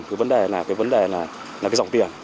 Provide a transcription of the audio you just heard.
cái vấn đề là cái dòng tiền